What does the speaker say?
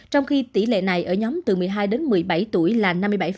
trong khi tỷ lệ này ở nhóm từ một mươi hai đến một mươi bảy tuổi là năm mươi bảy